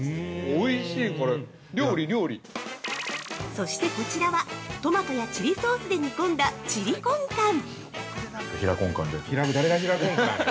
◆そしてこちらは、トマトやチリソースで煮込んだチリコンカン！